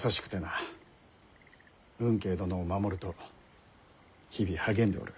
吽慶殿を守ると日々励んでおる。